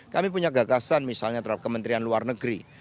kami punya gagasan misalnya terhadap kementerian luar negeri